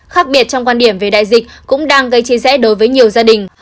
khác biệt trong quan điểm về đại dịch cũng đang gây chia rẽ đối với nhiều gia đình